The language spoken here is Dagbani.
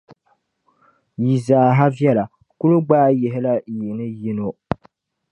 Yi zaa ha viɛla, kul gbaai yihila yi ni yino.